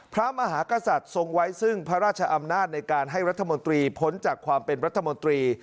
พระมหากษัตริย์ทรงไว้ซึ่งพระราชอำนาจในการให้รัฐมนตรีพ้นจากความเป็นรัฐมนตรี